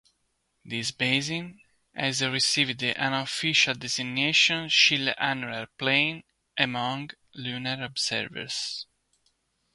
This basin has received the unofficial designation 'Schiller Annular Plain' among lunar observers.